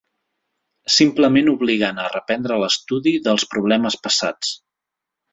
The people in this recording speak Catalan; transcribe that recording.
Simplement obligant a reprendre l'estudi dels problemes passats.